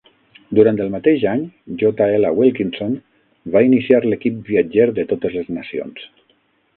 Durant el mateix any, J. L. Wilkinson va iniciar l'equip viatger de totes les nacions.